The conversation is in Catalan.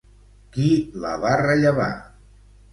Qui la va rellevar?